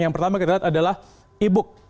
yang pertama kita lihat adalah e book